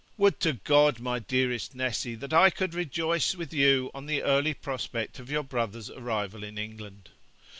'Would to God, my dearest Nessy, that I could rejoice with you on the early prospect of your brother's arrival in England.